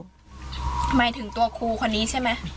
หมายถึงตัวครูคนนี้ใช่ไหม